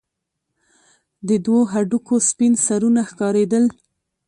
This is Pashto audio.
د دوو هډوکو سپين سرونه ښكارېدل.